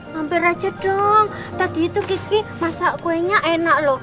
mampir aja dong tadi itu kiki masak kuenya enak loh